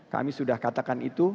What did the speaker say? kami sudah katakan itu